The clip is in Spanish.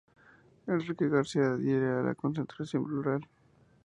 Enrique García adhiere a la Concertación Plural.